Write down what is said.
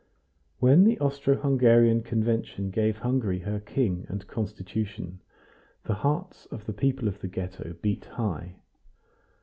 When the Austro Hungarian Convention gave Hungary her king and constitution, the hearts of the people of the Ghetto beat high.